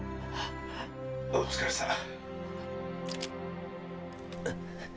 お疲れさん。